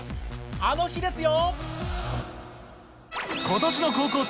あの日ですよ！